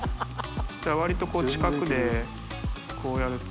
割とこう近くでこうやると。